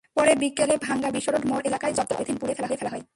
পরে বিকেলে ভাঙ্গা বিশ্বরোড মোড় এলাকায় জব্দকৃত পলিথিন পুড়িয়ে ফেলা হয়।